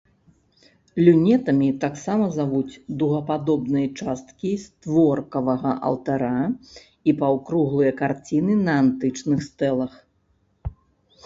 Люнетамі таксама завуць дугападобныя часткі створкавага алтара і паўкруглыя карціны на антычных стэлах.